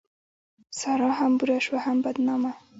سارا هم بوره شوه او هم بدنامه.